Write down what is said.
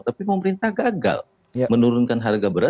tapi pemerintah gagal menurunkan harga beras